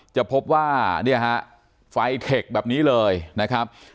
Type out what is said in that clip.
จะพบว่าไฟเทคแบบนี้เลยนะครับ